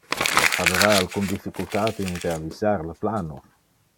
Vos habera alcun difficultate in realisar le plano.